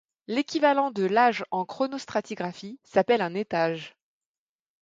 L'équivalent de l'âge en chronostratigraphie s'appelle un étage.